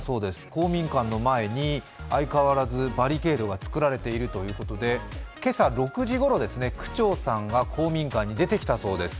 公民館の前に相変わらずバリケードが作られているということで今朝６時ごろ区長さんが公民館に出てきたそうです。